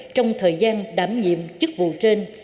trong thời gian đảm nhiệm chức vụ trên